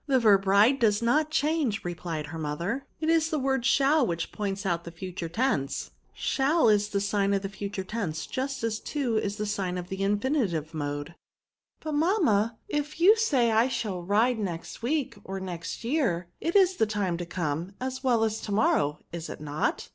" The verb ride does not change/' replied her mother, '^ it is the word shall which points out the future tense. Shall is the sign of the future tense, just as to is the sign of the infinitive mode." '^ But| mamma, if you said I shall ride next week, or next year, it is the time to come, as well as to morrow, is it not?"